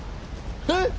えっ！？